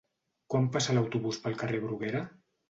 Quan passa l'autobús pel carrer Bruguera?